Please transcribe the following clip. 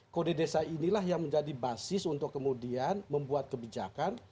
kode desa inilah yang menjadi basis untuk kemudian membuat kebijakan